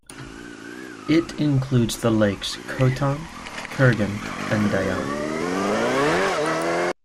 It includes the lakes Khoton, Khurgan, and Dayan.